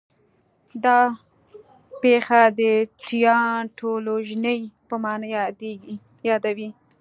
دا پېښه د 'تیان ټولوژنې' په نامه یادوي.